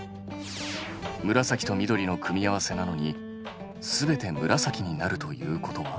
紫と緑の組み合わせなのに全て紫になるということは？